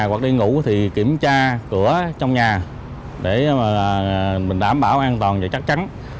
hoặc đi ngủ thì kiểm tra cửa trong nhà để mà mình đảm bảo an toàn và chắc chắn